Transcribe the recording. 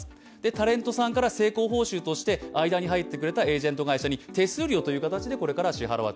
タレントさんから成功報酬として間に入ってくれたエージェント会社に手数料という形でこれからは支払う。